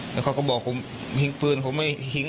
และเขาก็บอกฉันหิงพืนผมไม่หิง